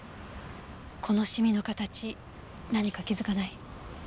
このシミの形何か気づかない？